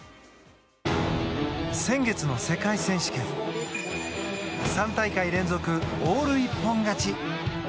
先月の世界選手権３大会連続オール一本勝ち。